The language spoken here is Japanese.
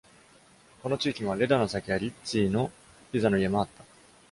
この地域には、レダの酒やリッツィーのピザの家もあった。